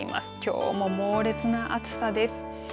きょうも猛烈な暑さです。